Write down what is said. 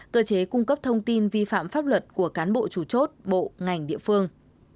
cơ chế cung cấp thông tin vi phạm pháp luật của cán bộ chủ chốt bộ ngành địa phương